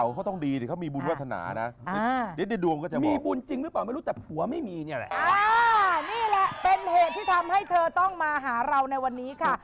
นี่แหละเป็นเหตุที่ทำให้เธอต้องมาหาเราในวันนี้ค่ะ